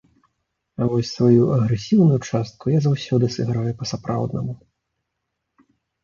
А вось сваю агрэсіўную частку я заўсёды сыграю па-сапраўднаму.